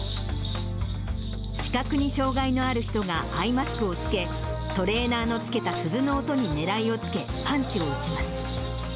視覚に障がいのある人がアイマスクを着け、トレーナーのつけた鈴の音に狙いをつけ、パンチを打ちます。